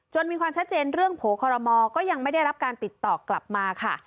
มีความชัดเจนเรื่องโผล่คอรมอลก็ยังไม่ได้รับการติดต่อกลับมาค่ะ